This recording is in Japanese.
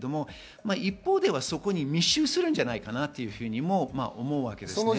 一方ではそこに密集するんじゃないかと思います。